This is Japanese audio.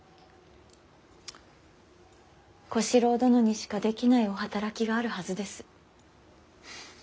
小四郎殿にしかできないお働きがあるはずです。